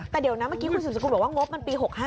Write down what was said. แต่เดี๋ยวนะเมื่อกี้คุณสืบสกุลบอกว่างบมันปี๖๕